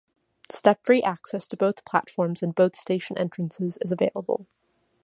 Step free access to both platforms and both station entrances is available.